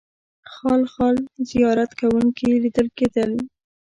خال خال زیارت کوونکي لیدل کېدل.